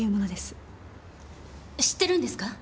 知ってるんですか？